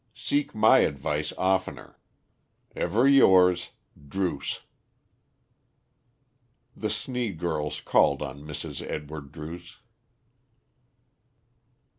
Seek my advice oftener. Ever yours, DRUCE. The Sneed girls called on Mrs. Edward Druce.